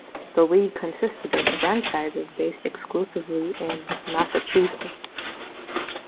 The league consisted of franchises based exclusively in Massachusetts.